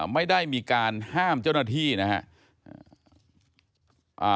ไม่ได้มีการห้ามเจ้าหน้าที่นะครับ